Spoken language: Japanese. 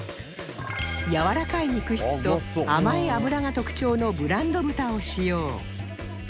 やわらかい肉質と甘い脂が特徴のブランド豚を使用